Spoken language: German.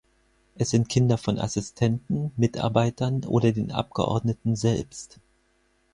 Es sind Kinder von Assistenten, Mitarbeitern oder den Abgeordneten selbst.